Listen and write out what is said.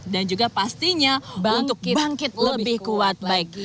dan juga pastinya untuk bangkit lebih kuat lagi